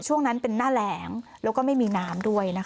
ช่วงนั้นเป็นหน้าแหลงแล้วก็ไม่มีน้ำด้วยนะคะ